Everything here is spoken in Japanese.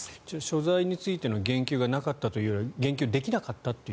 所在についての言及がなかったというよりは言及できなかったという。